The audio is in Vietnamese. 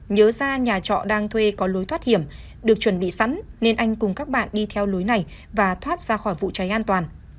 nhớ ra nhà trọ đang thuê có lối thoát hiểm được chuẩn bị sẵn nên anh cùng các bạn đi theo lối này và thoát ra khỏi vụ cháy an toàn